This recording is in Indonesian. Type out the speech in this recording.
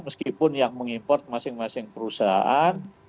meskipun yang mengimport masing masing perusahaan